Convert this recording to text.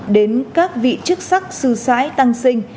đến các vị chức sắc sư sái tăng sinh